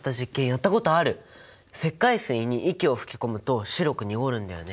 石灰水に息を吹き込むと白く濁るんだよね。